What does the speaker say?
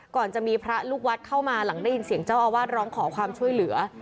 จะมีพระลูกวัดเข้ามาหลังได้ยินเสียงเจ้าอาวาสร้องขอความช่วยเหลือ